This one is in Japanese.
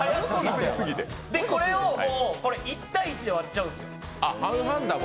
これを１対１で割っちゃうんです。